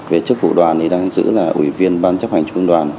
về chức vụ đoàn thì đang giữ là ủy viên ban chấp hành trung đoàn